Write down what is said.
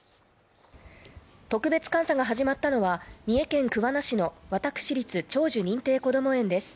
特別監査が始まったのは三重県桑名市の私立長寿認定こども園です。